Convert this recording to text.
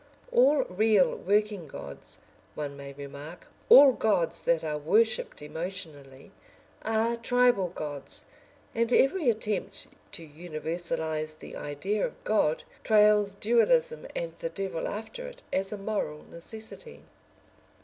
All real working gods, one may remark, all gods that are worshipped emotionally, are tribal gods, and every attempt to universalise the idea of God trails dualism and the devil after it as a moral necessity.